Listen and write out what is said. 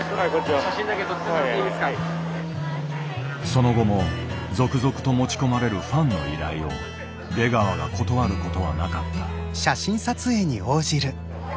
その後も続々と持ち込まれるファンの依頼を出川が断ることはなかった。